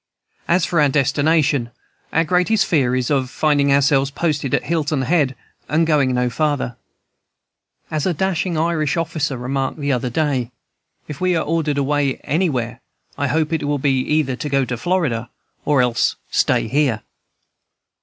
"As for our destination, our greatest fear is of finding ourselves posted at Hilton Head and going no farther. As a dashing Irish officer remarked the other day, 'If we are ordered away anywhere, I hope it will be either to go to Florida or else stay here!'"